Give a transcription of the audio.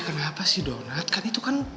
kenapa si donat kan itu kan